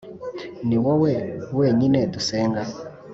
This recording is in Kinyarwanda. ni wowe (wenyine) dusenga;